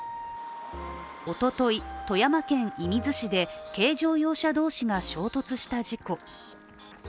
おととい、富山県射水市で軽乗用車同士が衝突した事故。